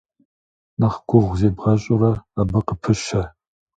Нэхъ гугъу зебгъэщӀурэ, абы къыпыщэ.